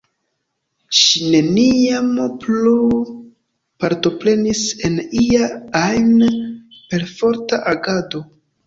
Ŝi neniam plu partoprenis en ia ajn perforta agado.